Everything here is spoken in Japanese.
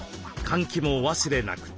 換気もお忘れなく！